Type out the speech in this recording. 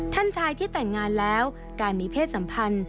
ชายที่แต่งงานแล้วการมีเพศสัมพันธ์